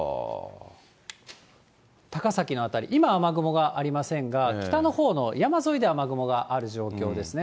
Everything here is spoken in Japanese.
高崎の辺り、今、雨雲はありませんが、北のほうの山沿いで雨雲がある状況ですね。